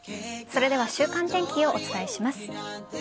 それでは週間天気をお伝えします。